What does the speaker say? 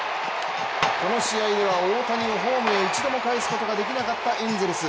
この試合では大谷をホームへ一度も帰すことができなかったエンゼルス